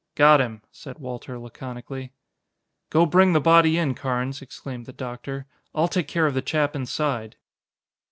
"Got him," said Walter laconically. "Go bring the body in, Carnes," exclaimed the doctor. "I'll take care of the chap inside."